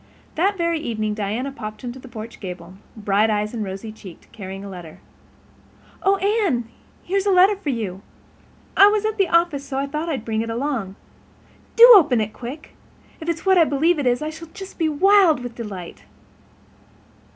That very evening Diana popped into the porch gable, bright eyed and rosy cheeked, carrying a letter. "Oh, Anne, here's a letter for you. I was at the office, so I thought I'd bring it along. Do open it quick. If it is what I believe it is I shall just be wild with delight."